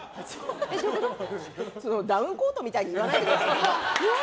ダウンコートみたいに言わないでください。